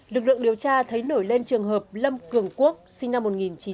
lực lượng điều tra thấy nổi lên trường hợp lâm cường quốc sinh năm một nghìn chín trăm tám mươi